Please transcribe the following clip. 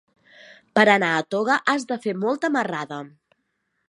Per anar a Toga has de fer molta marrada.